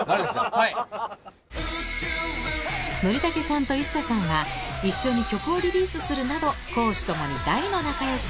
憲武さんとＩＳＳＡさんは一緒に曲をリリースするなど公私共に大の仲良し。